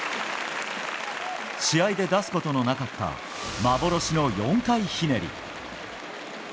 試合で出すことのなかった幻の４回ひねり。